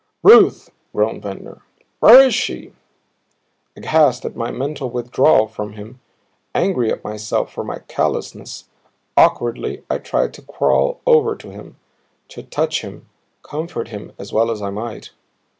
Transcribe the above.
"Ruth!" groaned Ventnor. "Where is she?" Aghast at my mental withdrawal from him, angry at myself for my callousness, awkwardly I tried to crawl over to him, to touch him, comfort him as well as I might.